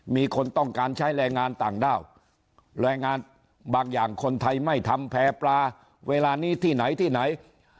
มีคนต้องการใช้แรงงานต่างด้าวแรงงานบางอย่างคนไทยไม่ทำแพร่ปลาเวลานี้ที่ไหนที่ไหน